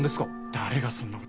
誰がそんな事を？